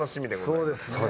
そうですね。